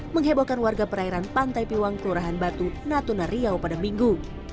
menghebohkan warga perairan pantai piwang kelurahan batu natuna riau pada minggu